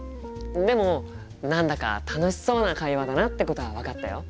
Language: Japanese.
でも何だか楽しそうな会話だなってことは分かったよ。